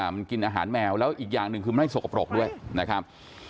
มันกินอาหารแมวแล้วอีกอย่างหนึ่งคือไม่สกปรกด้วยนะครับ